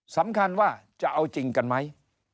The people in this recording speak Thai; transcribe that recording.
สำคัญว่าจะเอาจริงกันไหม